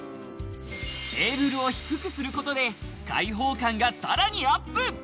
テーブルを低くすることで開放感がさらにアップ。